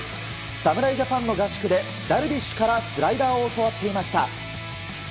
侍ジャパンの合宿でダルビッシュからスライダーを教わっていました。